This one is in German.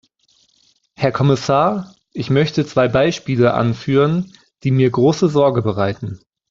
Herr Kommissar, ich möchte zwei Beispiele anführen, die mir große Sorge bereiten.